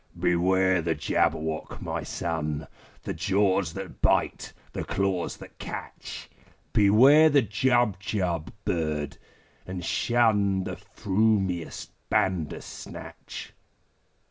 "Beware the Jabberwock, my son! The jaws that bite, the claws that catch! Beware the Jubjub bird, and shun The frumious Bandersnatch!"